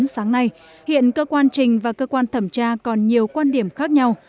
sáng nay hiện cơ quan trình và cơ quan thẩm tra còn nhiều quan điểm khác nhau